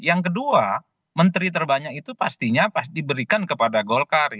yang kedua menteri terbanyak itu pastinya diberikan kepada golkar